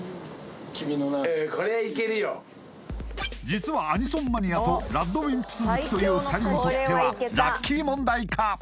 実はアニソンマニアとＲＡＤＷＩＭＰＳ好きという２人にとってはラッキー問題か？